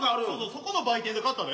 そこの売店で買ったで。